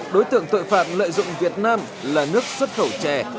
đối tượng tội phạm lợi dụng việt nam là nước xuất khẩu chè